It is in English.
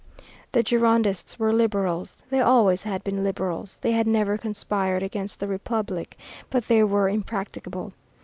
The Girondists were liberals. They always had been liberals; they had never conspired against the Republic; but they were impracticable.